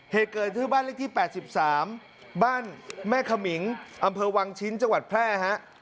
เหตุเกิดที่บ้านเลขที่๘๓บ้านแม่ขมิงอำเภอวังชิ้นจังหวัดแพร่ฮะ